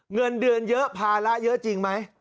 เงินเดือนเยอะภาระเยอะจริงไหม